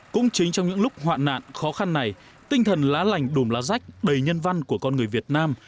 cũng chính trong những lúc hoạn nạn khó khăn này tinh thần lá lành đùm lá rách đầy nhân văn của con người việt nam